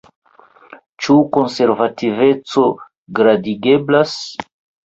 Ĉu konservativeco gradigeblas?